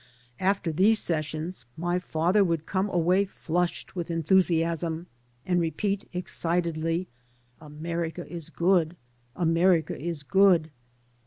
After these sessions my father would come away flushed with enthusiasm and repeat, excitedly, ^'America is good, America is good